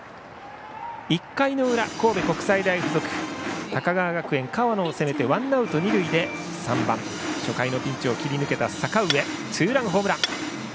１回裏、神戸国際大付属は高川学園、河野を攻めてワンアウト、二塁で３番、初回のピンチを切り抜けた阪上がツーランホームラン。